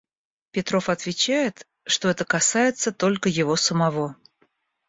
Петров отвечает, что это касается только его самого.